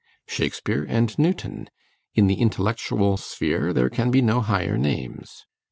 Shakespeare and Newton: in the intellectual sphere there can be no higher names.